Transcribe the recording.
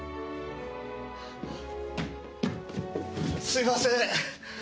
すみません。